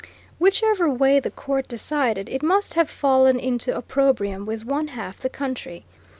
Whichever way the Court decided, it must have fallen into opprobrium with one half the country.